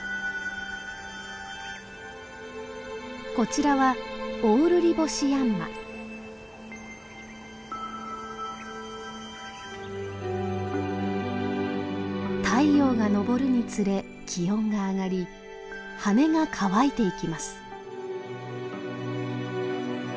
こちらは太陽が昇るにつれ気温が上がり羽が乾いていきます。